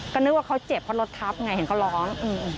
ก็นึกว่าเขาเจ็บเพราะรถทับไงเห็นเขาร้อง